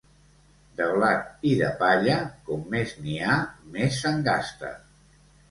De blat i de palla, com m'és n'hi ha, més se'n gasta.